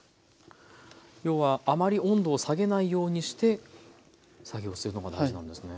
要はあまり温度を下げないようにして作業をするのが大事なんですね。